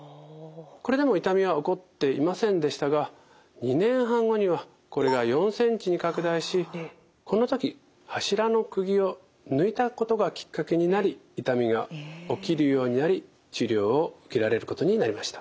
これでも痛みは起こっていませんでしたが２年半後にはこれが４ｃｍに拡大しこの時柱のくぎを抜いたことがきっかけになり痛みが起きるようになり治療を受けられることになりました。